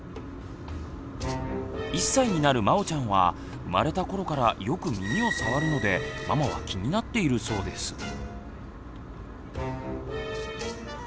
１歳になるまおちゃんは生まれた頃からよく耳を触るのでママは気になっているそうです。